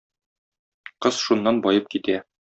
Кыз шуннан баеп китә.